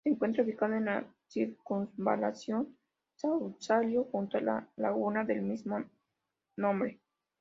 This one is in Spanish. Se encuentra ubicado en la circunvalación Sausalito junto a la laguna del mismo nombre.